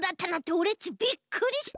オレっちびっくりした！